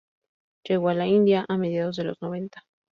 Llegó a la India a mediados de los noventa.